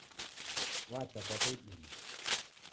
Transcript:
Wacha kwapo idime.